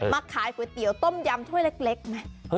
ขายก๋วยเตี๋ยวต้มยำถ้วยเล็กไหม